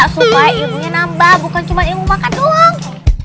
supaya ibunya nambah bukan cuma ilmu makan doang